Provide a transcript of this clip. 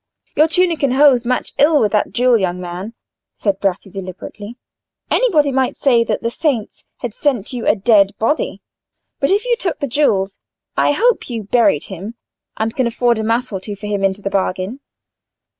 "Your tunic and hose match ill with that jewel, young man," said Bratti, deliberately. "Anybody might say the saints had sent you a dead body; but if you took the jewels, I hope you buried him—and you can afford a mass or two for him into the bargain."